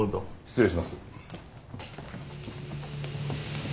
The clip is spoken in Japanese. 失礼します。